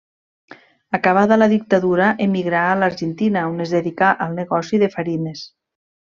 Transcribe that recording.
Acabada la dictadura emigrà a l'Argentina on es dedicà al negoci de farines.